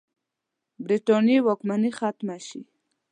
برټانیې واکمني ختمه شي.